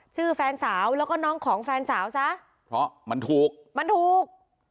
แฟนสาวแล้วก็น้องของแฟนสาวซะเพราะมันถูกมันถูก